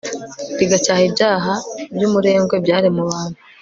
rigacyaha ibyaha byumurengwe byari mu bantu